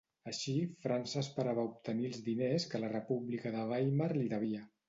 Així, França esperava obtenir els diners que la República de Weimar li devia.